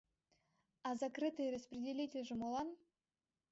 А закрытый распределительже молан?